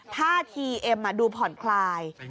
ท่าทีเอ็มดูผ่อนคลาย